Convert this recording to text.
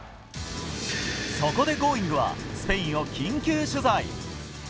そこでＧｏｉｎｇ！はスペインを緊急取材。